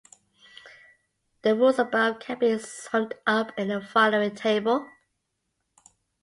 The rules above can be summed up in the following table.